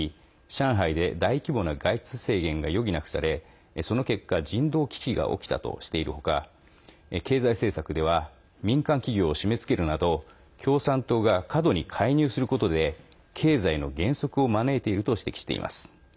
上海で、大規模な外出制限が余儀なくされその結果、人道危機が起きたとしているほか経済政策では民間企業を締めつけるなど共産党が過度に介入することで経済の減速を招いていると指摘しています。